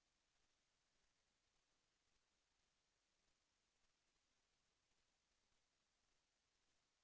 แสวได้ไงของเราก็เชียนนักอยู่ค่ะเป็นผู้ร่วมงานที่ดีมาก